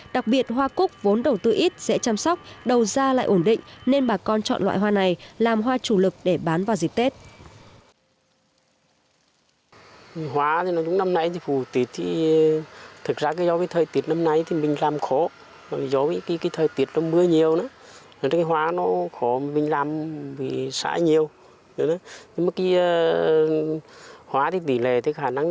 đặc biệt hoa cúc vốn đầu tư ít dễ chăm sóc đầu da lại ổn định nên bà con chọn loại hoa này làm hoa chủ lực để bán vào dịp tết